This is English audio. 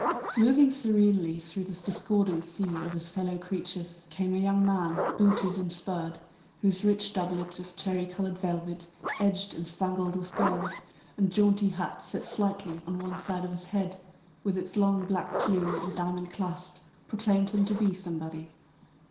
Moving serenely through this discordant sea of his fellow creatures came a young man booted and spurred, whose rich doublet of cherry colored velvet, edged and spangled with gold, and jaunty hat set slightly on one side of his head, with its long black plume and diamond clasp, proclaimed him to be somebody.